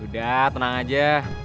udah tenang aja